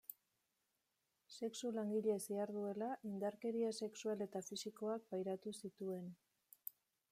Sexu-langile ziharduela, indarkeria sexual eta fisikoak pairatu zituen.